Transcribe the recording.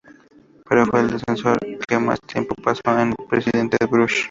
Pero fue el asesor que más tiempo pasó con el Presidente Bush.